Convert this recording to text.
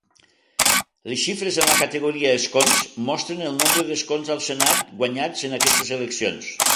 Les xifres en la categoria "Escons" mostren el nombre d'escons al Senat guanyats en aquestes eleccions.